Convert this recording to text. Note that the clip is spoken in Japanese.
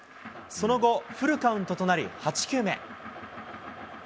その後、フルカウントとなり、８球目。